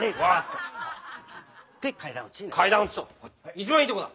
一番いいとこだ。